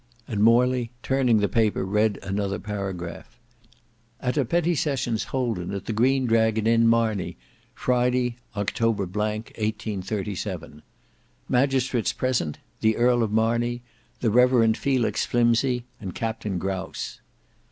And Morley turning the paper read another paragraph:— "At a Petty Sessions holden at the Green Dragon Inn, Marney, Friday, October—, 1837. "Magistrates present: The Earl of Marney, the Rev. Felix Flimsey, and Captain Grouse.